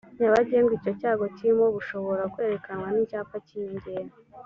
nyabagendwa icyo cyago kirimo bushobora kwerekanwa n icyapa cy inyongera